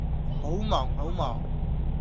好忙好忙